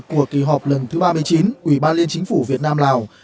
của kỳ họp lần thứ ba mươi chín ủy ban liên chính phủ việt nam lào